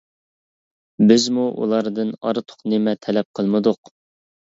بىزمۇ ئۇلاردىن ئارتۇق نېمە تەلەپ قىلمىدۇق.